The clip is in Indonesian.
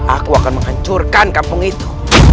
aku akan menghancurkan kampung itu